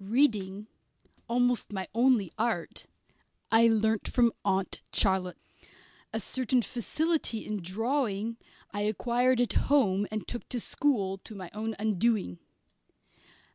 Reading, almost my only art, I learnt from Aunt Charlotte; a certain facility in drawing I acquired at home and took to school, to my own undoing.